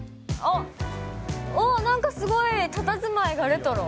おっ、なんかすごいたたずまいがレトロ。